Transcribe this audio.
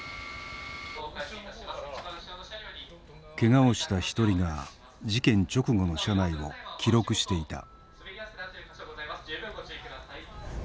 けがをした一人が事件直後の車内を記録していた。